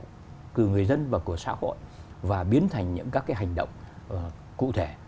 nghe những các cái tín hiệu của người dân và của xã hội và biến thành những các cái hành động cụ thể